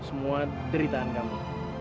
semua deritaan kamu